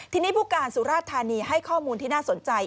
ทีนี้ผู้การสุราชธานีให้ข้อมูลที่น่าสนใจ